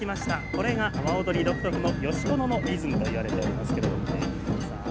これが阿波踊り独特の「よしこの」のリズムといわれておりますけれどもね。